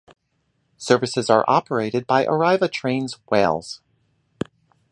Services are operated by Arriva Trains Wales.